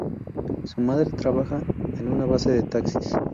Su madre trabaja en una base de taxis.